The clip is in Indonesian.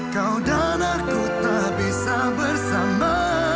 kau dan anakku tak bisa bersama